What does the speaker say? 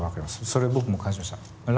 それ僕も感じました。